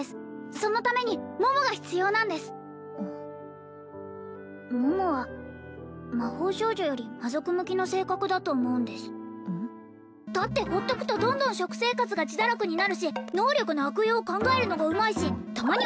そのために桃が必要なんです桃は魔法少女より魔族向きの性格だと思うんですうんっ？だってほっとくとどんどん食生活が自堕落になるし能力の悪用を考えるのがうまいしたまに